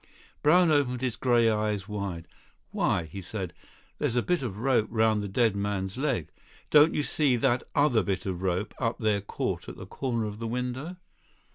Brown opened his grey eyes wide. "Why," he said, "there's a bit of rope round the dead man's leg. Don't you see that other bit of rope up there caught at the corner of the window?"